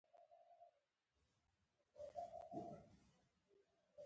د کنسولاډو په څېر هغه د خلاق تخریب کارونو مخالف و.